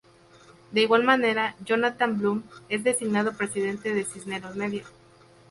De igual manera Jonathan Blum es designado Presidente de Cisneros Media.